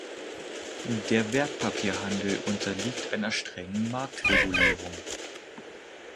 Der Wertpapierhandel unterliegt einer strengen Marktregulierung.